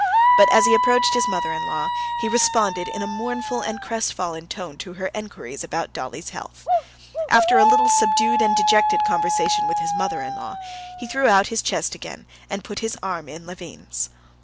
But as he approached his mother in law, he responded in a mournful and crestfallen tone to her inquiries about Dolly's health. After a little subdued and dejected conversation with his mother in law, he threw out his chest again, and put his arm in Levin's.